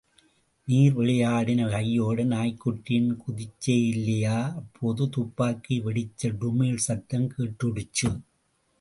நீ பார் விளையாடின கையோட நாய்க்குட்டியுடன் குதிச்சேயில்லையா, அப்போது துப்பாக்கி வெடிச்ச டுமீல் சத்தம் கேட்டுச்சு.